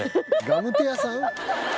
「ガムテ屋さん？」